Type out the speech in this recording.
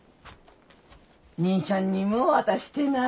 兄ちゃんにも渡してな。